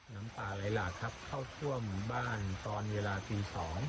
น้ำป่าไหลหลากเข้าท่วมบ้านตอนเวลา๒นาที